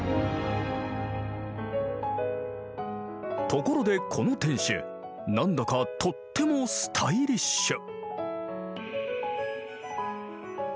ところでこの天守何だかとってもスタイリッシュ。